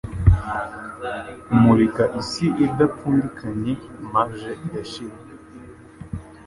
Kumurika isi idapfundikanya marge irashira